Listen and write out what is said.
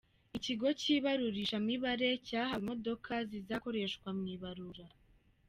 Ikigo cy’Ibarurishamibare cyahawe imodoka zizakoreshwa mu ibarura